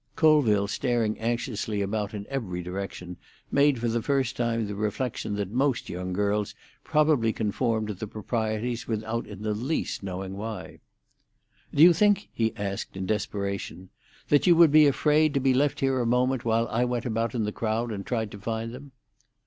Colville, staring anxiously about in every direction, made for the first time the reflection that most young girls probably conform to the proprieties without in the least knowing why. "Do you think," he asked, in desperation, "that you would be afraid to be left here a moment while I went about in the crowd and tried to find them?"